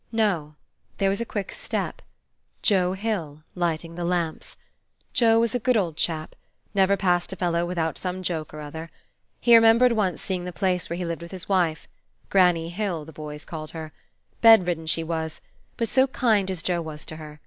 No, there was a quick step: Joe Hill, lighting the lamps. Joe was a good old chap; never passed a fellow without some joke or other. He remembered once seeing the place where he lived with his wife. "Granny Hill" the boys called her. Bedridden she Was; but so kind as Joe was to her!